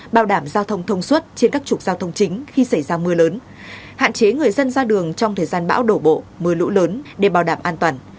bảo đảm giao thông thông suốt trên các trục giao thông chính khi xảy ra mưa lớn hạn chế người dân ra đường trong thời gian bão đổ bộ mưa lũ lớn để bảo đảm an toàn